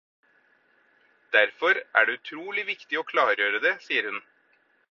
Derfor er det utrolig viktig å klargjøre det, sier hun.